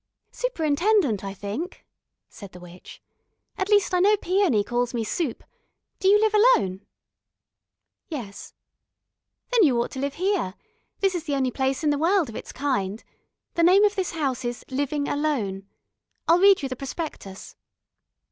"Superintendent, I think," said the witch. "At least I know Peony calls me Soup. Do you live alone?" "Yes." "Then you ought to live here. This is the only place in the world of its kind. The name of this house is Living Alone. I'll read you the prospectus."